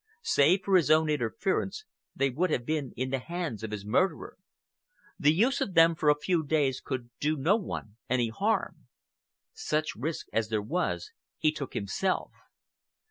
Save for his own interference, they would have been in the hands of his murderer. The use of them for a few days could do no one any harm. Such risk as there was he took himself.